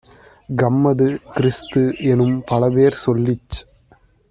கம்மது, கிறிஸ்து-எனும் பலபேர் சொல்லிச்